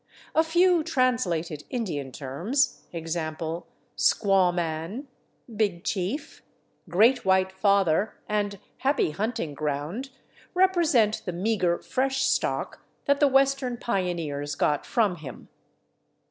A few translated Indian terms, /e. g./, /squaw man/, /big chief/, /great white father/ and /happy hunting ground/, represent the meagre fresh stock that the western pioneers got from him.